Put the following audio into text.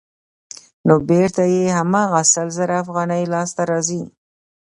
نو بېرته یې هماغه سل زره افغانۍ لاسته راځي